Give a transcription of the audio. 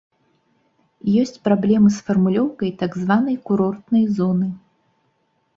Ёсць праблемы з фармулёўкай так званай курортнай зоны.